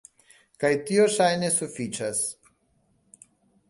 Kaj tio ŝajne sufiĉas.